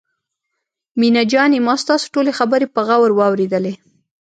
مينه جانې ما ستاسو ټولې خبرې په غور واورېدلې.